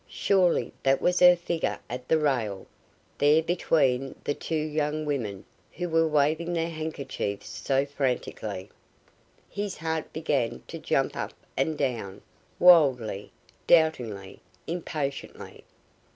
Surely that was her figure at the rail there between the two young women who were waving their handkerchiefs so frantically. His heart began to jump up and down, wildly, doubtingly, impatiently.